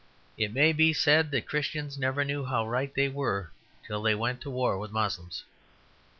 It may be said that Christians never knew how right they were till they went to war with Moslems.